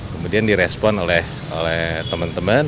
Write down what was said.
kemudian direspon oleh teman teman